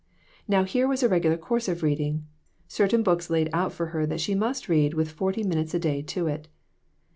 Now, here was a regular course of reading certain books laid out for her that she must read with forty minutes a day to it.